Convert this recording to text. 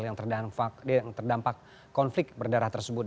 yang terdampak konflik berdarah tersebut